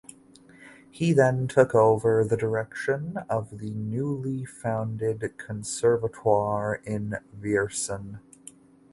He then took over the direction of the newly founded conservatoire in Viersen.